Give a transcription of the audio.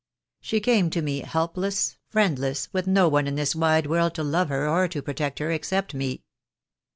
She came to me helpless, friendless, with no one in this wide world to love her or to protect' her, except me.